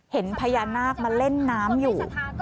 เห็นพญานาคมาเล่นน้ำอยู่